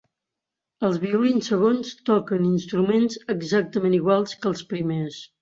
Els violin segons toquen instruments exactament iguals que els primers.